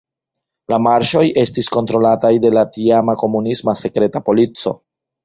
La marŝoj estis kontrolataj de la tiama komunisma sekreta polico.